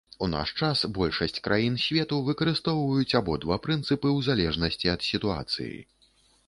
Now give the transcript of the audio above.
У наш час большасць краін свету выкарыстоўваюць абодва прынцыпы ў залежнасці ад сітуацыі.